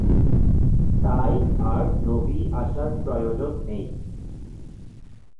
তাই আর নবী আসার প্রয়োজন নেই।